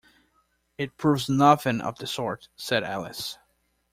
‘It proves nothing of the sort!’ said Alice.